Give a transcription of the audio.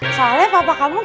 soalnya papa kamu ganteng